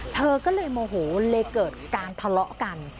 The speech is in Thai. เธอก็เลยโมโหเลยเกิดการทะเลาะกัน